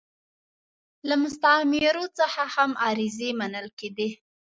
له مستعمرو څخه هم عریضې منل کېدې.